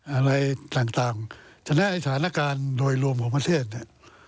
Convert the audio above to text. อะไรต่างฉะนั้นไอ้สถานการณ์โดยรวมของประเทศเนี่ย